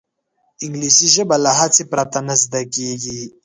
انګلیسي ژبه له هڅې پرته نه زده کېږي